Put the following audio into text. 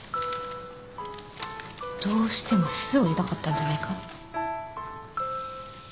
どうしても酢を入れたかったんじゃないか？